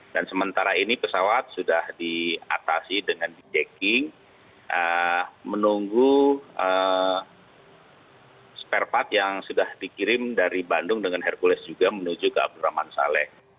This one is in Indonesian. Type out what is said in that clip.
dan sementara ini pesawat sudah diatasi dengan di jacking menunggu spare part yang sudah dikirim dari bandung dengan hercules juga menuju ke abdurrahman saleh